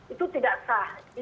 itu tidak sah